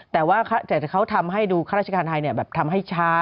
แต่ว่าเขาทำให้ดูฮาตราชการไทยเนี่ยแบบทำให้ช้า